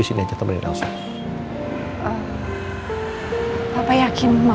aku mau galak liat siapa hari selesai apa dia ngomong